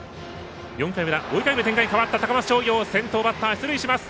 ４回裏、追いかける展開に変わった高松商業先頭バッター、出塁します。